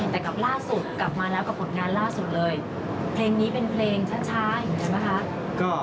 แต่กับล่าสุดกลับมาแล้วกับผลงานล่าสุดเลยเพลงนี้เป็นเพลงช้าอย่างนี้ใช่ไหมคะ